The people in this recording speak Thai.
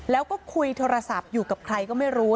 แล้วก็คุยโทรศัพท์อยู่กับใครก็ไม่รู้